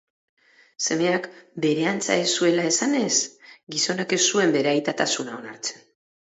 Semeak bere antza ez zuela esanez, gizonak ez zuen bere aitatasuna onartzen.